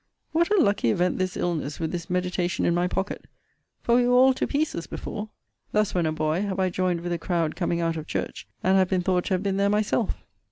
What a lucky event this illness with this meditation in my pocket; for we were all to pieces before! Thus, when a boy, have I joined with a crowd coming out of church, and have been thought to have been there myself.